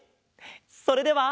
それでは。